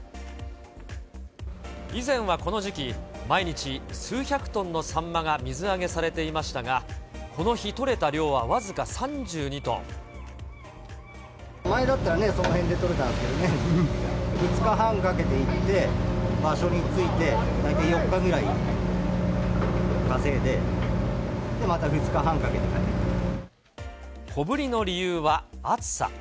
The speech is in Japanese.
以前はこの時期、毎日数百トンのサンマが水揚げされていましたが、この日取れた量前だったらね、その辺で取れたんですけどね、２日半かけて行って、場所に着いて、４日ぐらい、稼いで、また２日半かけて帰って小ぶりの理由は暑さ。